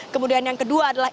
kemudian yang kedua adalah